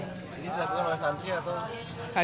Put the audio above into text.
ini dilakukan oleh santri atau